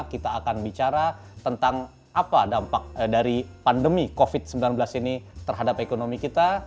kita akan bicara tentang apa dampak dari pandemi covid sembilan belas ini terhadap ekonomi kita